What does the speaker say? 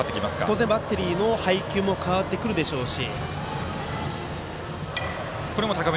当然バッテリーの配球も変わってくるでしょうし。